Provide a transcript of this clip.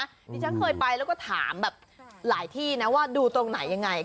ดิฉันเคยไปแล้วก็ถามแบบหลายที่นะว่าดูตรงไหนยังไง